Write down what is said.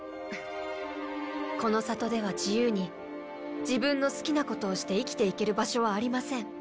この里では自由に自分の好きなことをして生きていける場所はありません。